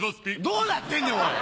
どうなってんねんおい！